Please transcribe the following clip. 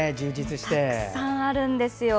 たくさんあるんですよ。